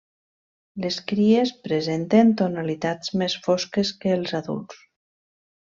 Les cries presenten tonalitats més fosques que els adults.